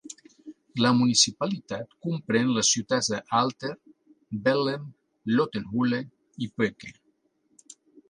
La municipalitat comprèn les ciutats d'Aalter, Bellem Lotenhulle i Poeke.